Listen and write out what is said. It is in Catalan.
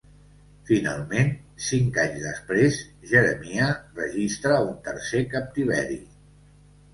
Finalment, cinc anys després, Jeremiah registra un tercer captiveri.